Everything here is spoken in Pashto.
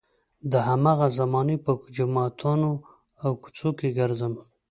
د هماغې زمانې په جوماتونو او کوڅو کې ګرځم.